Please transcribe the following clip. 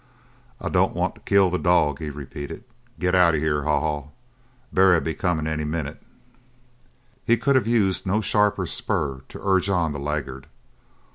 "I don't want to kill the dog," he repeated. "Get out of here, Haw Haw. Barry'll be comin' any minute." He could have used no sharper spur to urge on the laggard.